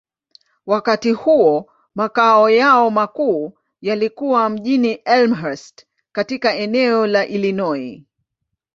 Wakati huo, makao yao makuu yalikuwa mjini Elmhurst, katika eneo la Illinois.